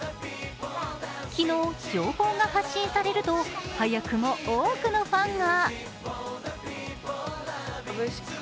昨日、情報が発信されると早くも多くのファンが。